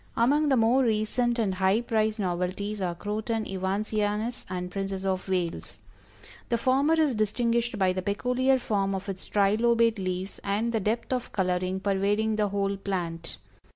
Among the more recent and high priced novelties are Croton Evansianus and Princess of Wales. The former is "distinguished by the peculiar form of its trilobate leaves and the depth of coloring pervading the whole plant.